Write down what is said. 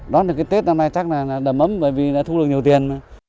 đón được cái tết năm nay chắc là đầm ấm bởi vì thu được nhiều tiền